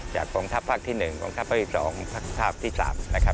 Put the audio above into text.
จากกองทัพภาคที่หนึ่งกองทัพภาคที่สองภาคภาคที่สาม